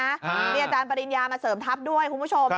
มีอาจารย์ปริญญามาเสริมทัพด้วยคุณผู้ชม